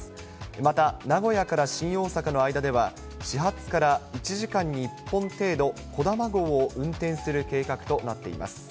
また、名古屋から新大阪の間では、始発から１時間に１本程度、こだま号を運転する計画となっています。